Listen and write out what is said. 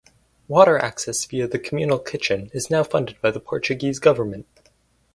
Water access via the communal kitchen is now funded by the Portuguese government.